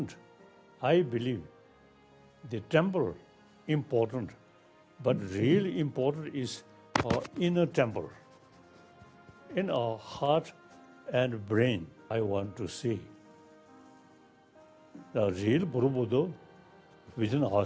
dalai lama mengingatkan bahwa perwujudan sesungguhnya dari borobudur adalah kebaikan hati yang disatukan dengan kebijaksanaan